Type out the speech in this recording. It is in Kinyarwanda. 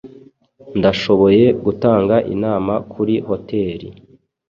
Ndashoboye gutanga inama kuri hoteli